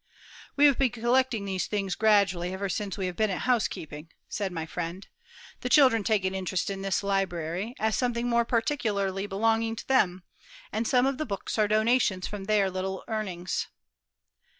"We have been collecting these things gradually ever since we have been at housekeeping," said my friend; "the children take an interest in this library, as something more particularly belonging to them, and some of the books are donations from their little earnings."